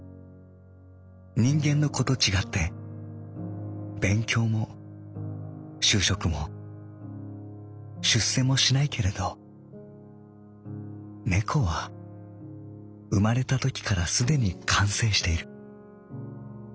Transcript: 人間の子とちがって勉強も就職も出世もしないけれど猫は生まれたときからすでに完成している。